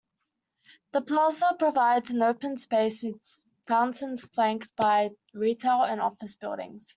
The plaza provides an open space with fountains flanked by retail and office buildings.